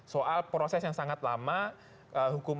soal proses yang sangat lama hukum